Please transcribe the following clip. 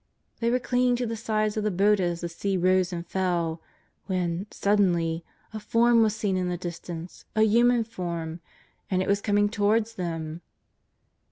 They were clinging to the sides of the boat as the sea rose and fell, when, suddenly — a Form was seen in the distance, a human Form, and It was coming towards them.